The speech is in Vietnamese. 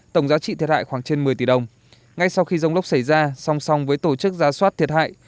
trận dông lốc xảy ra song song với tổ chức giá soát thiệt hại